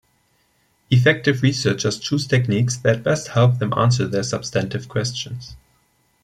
Effective researchers choose techniques that best help them answer their substantive questions.